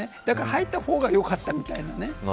だから、入った方がよかったみたいなね